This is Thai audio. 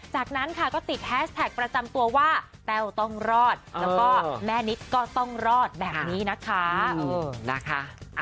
จากนั้นค่ะก็ติดแฮชแท็กประจำตัวว่าแต้วต้องรอดแล้วก็แม่นิดก็ต้องรอดแบบนี้นะคะ